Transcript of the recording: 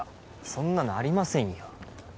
そんなのありませんよ。